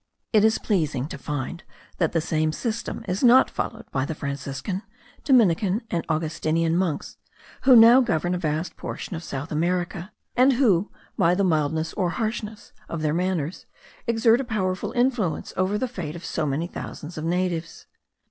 It is pleasing to find that the same system is not followed by the Franciscan, Dominican, and Augustinian monks who now govern a vast portion of South America; and who, by the mildness or harshness of their manners, exert a powerful influence over the fate of so many thousands of natives.